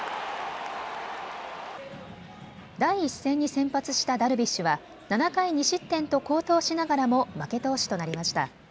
第１戦に先発したダルビッシュは７回２失点と好投しながらも負け投手となりました。